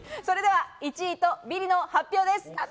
それでは１位とビリの発表です。